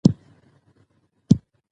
هغه د نورو خلکو د ژوند ساتنه وکړه.